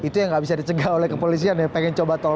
itu yang nggak bisa dicegah oleh kepolisian ya pengen coba tol